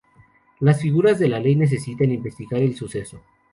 Las figuras de la ley necesitan investigar el suceso.